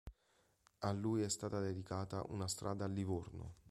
A lui è stata dedicata una strada a Livorno.